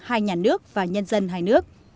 hai nhà nước và nhân dân hai nước